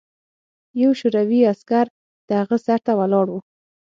یو شوروي عسکر د هغه سر ته ولاړ و